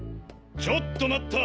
ちょっと待った！